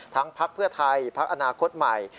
ทั้งพรรคเพื่อไทยพรรคอนาคตใหม่